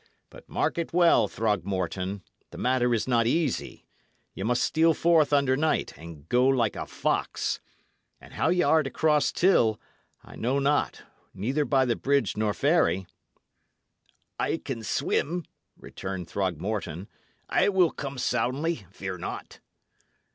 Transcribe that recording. But mark it well, Throgmorton: the matter is not easy. Ye must steal forth under night, and go like a fox; and how ye are to cross Till I know not, neither by the bridge nor ferry." "I can swim," returned Throgmorton. "I will come soundly, fear not."